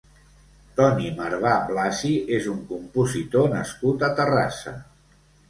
Toni Marbà Blasi és un compositor nascut a Terrassa.